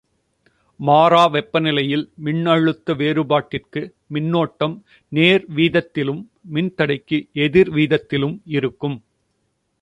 மாறா வெப்பநிலையில் மின்னழுத்த வேறுபாட்டிற்கு மின்னோட்டம் நேர் வீதத்திலும் மின்தடைக்கு எதிர்வீதத்திலும் இருக்கும்.